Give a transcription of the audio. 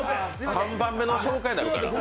３番目の紹介になるから。